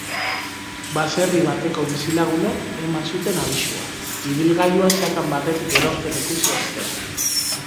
Baserri bateko bizilagunek eman zuten abisua, ibilgailua sakan batetik erortzen ikusi ostean.